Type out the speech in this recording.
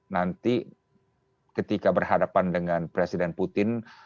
nanti ketika berhadapan dengan presiden putin